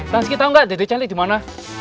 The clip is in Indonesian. tanski tau gak dede calik dimana